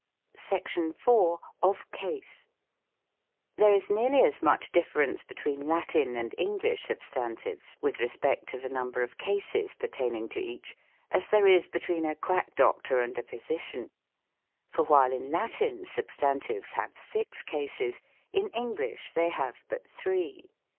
, SECTION IV. OF CASE. There is nearly as much difference between Latin and English substantives, with respect to the number of cases pertaining to each, as there is between a 36 THE COMIC ENGLISH GRAMMAR. quack doctor and a physician ; for while in Latin sub stantives have six cases, in English they have but three.